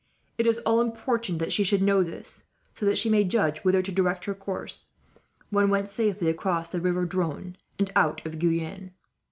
It is all important that she should know this, so that she may judge whither to direct her course, when once safely across the river Dronne and out of Guyenne.